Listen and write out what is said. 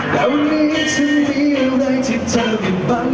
ที่ร้อยที่รักกับเธอที่รักกันต่อไป